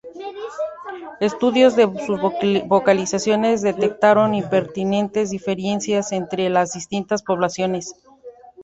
Estudios de sus vocalizaciones detectaron importantes diferencias entre las distintas poblaciones.